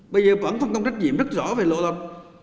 bây giờ vẫn không có trách nhiệm rất rõ về lộ lập